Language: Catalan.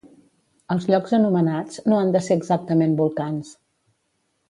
Els llocs anomenats no han de ser exactament volcans.